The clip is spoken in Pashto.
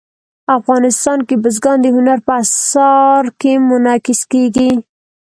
افغانستان کې بزګان د هنر په اثار کې منعکس کېږي.